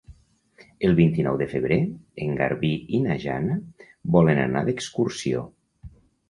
El vint-i-nou de febrer en Garbí i na Jana volen anar d'excursió.